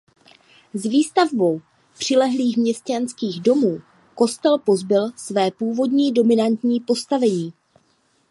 S výstavbou přilehlých měšťanských domů kostel pozbyl své původní dominantní postavení.